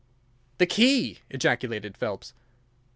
"The key!" ejaculated Phelps.